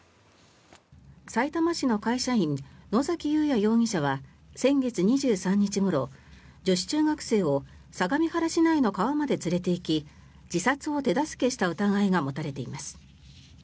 さいたま市の会社員野崎祐也容疑者は先月２３日ごろ女子中学生を相模原市内の川まで連れていき自殺を手助けした疑いが持たれています。